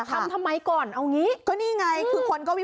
ทำทำไมก่อนเอาอย่างนี้นี่ไงคือคนก็วิภาควิจารณ์